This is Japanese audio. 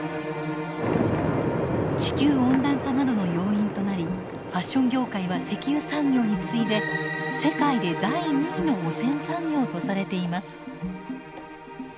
地球温暖化などの要因となりファッション業界は石油産業に次いで世界で第２位の汚染産業とされています。